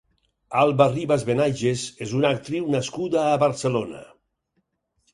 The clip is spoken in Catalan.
Alba Ribas Benaiges és una actriu nascuda a Barcelona.